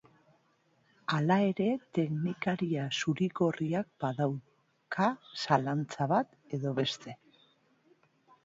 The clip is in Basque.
Hala ere, teknikari zuri-gorriak badauka zalantza bat edo beste.